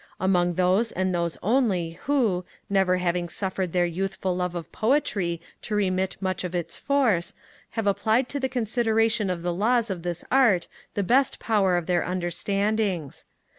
among those and those only, who, never having suffered their youthful love of poetry to remit much of its force, have applied to the consideration of the laws of this art the best power of their understandings.